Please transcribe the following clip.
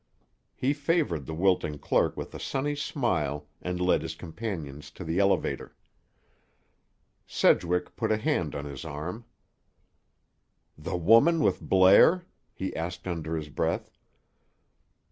He favored the wilting clerk with a sunny smile and led his companions to the elevator. Sedgwick put a hand on his arm. "The woman with Blair?" he asked under his breath.